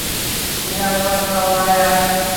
Barda babazuza egin zuen eta baratzea xehatu zigun.